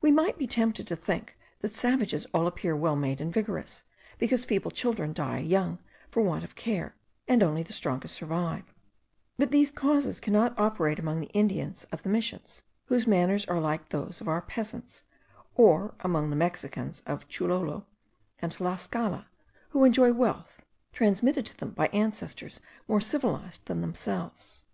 We might be tempted to think, that savages all appear well made and vigorous, because feeble children die young for want of care, and only the strongest survive; but these causes cannot operate among the Indians of the Missions, whose manners are like those of our peasants, or among the Mexicans of Cholula and Tlascala, who enjoy wealth, transmitted to them by ancestors more civilized than themselves.